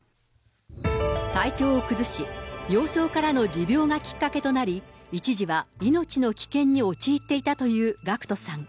体調を崩し、幼少からの持病がきっかけとなり、一時は命の危険に陥っていたというＧＡＣＫＴさん。